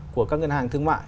của các ngân hàng thương mại